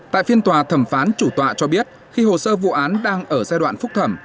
tại phiên tòa thẩm phán chủ tọa cho biết khi hồ sơ vụ án đang ở giai đoạn phúc thẩm